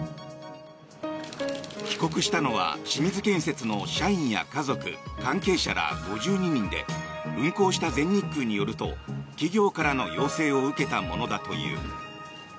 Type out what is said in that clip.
帰国したのは清水建設の社員や家族、関係者ら５２人で運航した全日空によると企業からの要請を受けたものだという。